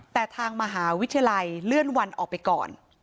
แต่ทางมหาวิทยาลัยเลื่อนวันออกไปก่อน